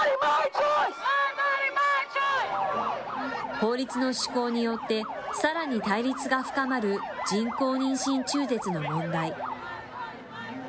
法律の施行によって、さらに対立が深まる人工妊娠中絶の問題。